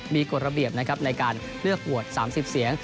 มีกฎระเบียบนะครับในการเลือกโหวต๓๐เสียง